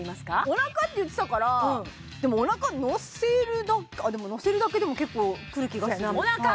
お腹って言ってたからでもお腹にのせるだけでものせるだけでも結構来る気がするお腹